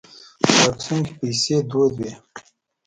په اکسوم کې پیسې دود وې.